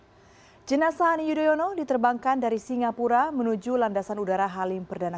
hai jenazah ani yudhoyono diterbangkan dari singapura menuju landasan udara halim perdana